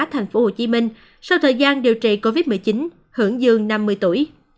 thành phố hồ chí minh sau thời gian điều trị covid một mươi chín hưởng dương năm mươi tuổi